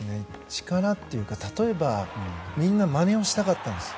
力というか例えば、みんなまねをしたがったんです。